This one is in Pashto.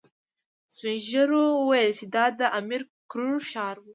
سپين ږيرو ويل چې دا د امير کروړ ښار و.